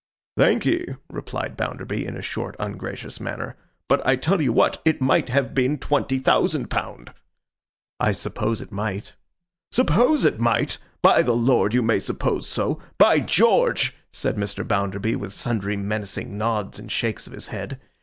'Thank'ee,' replied Bounderby, in a short, ungracious manner. 'But I tell you what. It might have been twenty thousand pound.' 'I suppose it might.' 'Suppose it might! By the Lord, you may suppose so. By George!' said Mr. Bounderby, with sundry menacing nods and shakes of his head.